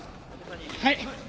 はい！